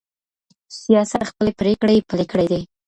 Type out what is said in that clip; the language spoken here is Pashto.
سیاست خپلې پرېکړې پلي کړې دي.